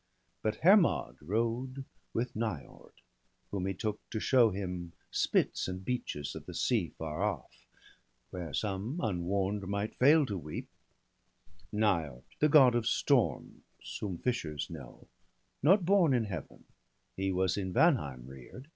But Hermod rode with Niord, whom he took To show hirn spits and beaches of the sea Far off, where some unwarn'd might fail to weep — BALDER DEAD. 179 Niord, the God of storms, whom fishers know; Not born in Heaven — he was in Vanheim rear'd.